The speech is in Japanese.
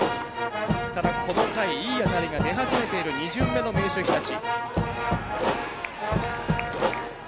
ただ、この回いい当たりが出始めている２巡目の明秀日立。